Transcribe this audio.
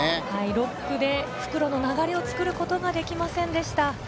６区で復路の流れを作ることができませんでした。